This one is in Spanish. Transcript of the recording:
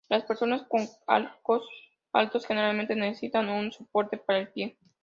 Las personas con arcos altos generalmente necesitan un soporte para el pie.